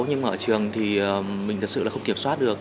nhưng mà ở trường thì mình thật sự không biết gì về vấn đề của cháu